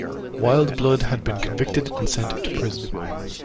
Wildeblood had been convicted and sent to prison.